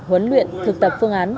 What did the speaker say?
huấn luyện thực tập phương án